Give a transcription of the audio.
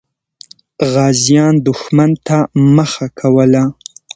غازیان دښمن ته مخه کوله.